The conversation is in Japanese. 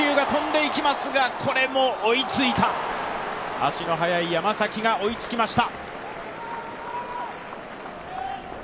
足の速い山崎が追いつきました。